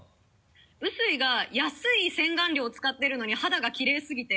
臼井が安い洗顔料使ってるのに肌がきれいすぎて。